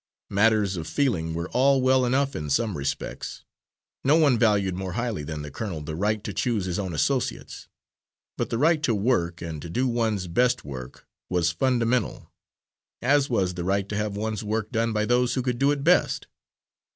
Matters of feeling were all well enough in some respects no one valued more highly than the colonel the right to choose his own associates but the right to work and to do one's best work, was fundamental, as was the right to have one's work done by those who could do it best.